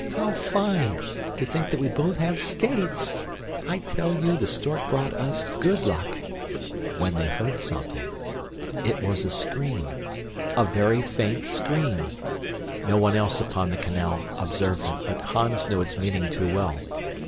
How fine! To think that we both have skates! I tell you, the stork brought us good luck!" when they heard something! It was a scream a very faint scream! No one else upon the canal observed it, but Hans knew its meaning too well.